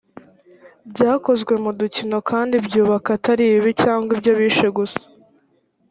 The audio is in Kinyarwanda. byakozwe mu dukino kandi byubaka atari ibibi cyangwa ibyo bishe gusa